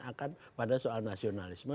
akan pada soal nasionalisme